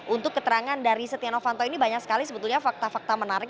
untuk keterangan dari setia novanto ini banyak sekali sebetulnya fakta fakta menarik